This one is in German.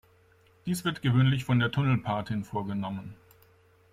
Dies wird gewöhnlich von der Tunnelpatin vorgenommen.